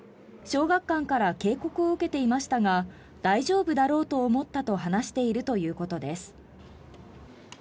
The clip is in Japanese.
小学館から警告を受けていましたが大丈夫だろうと思ったと話しているということです。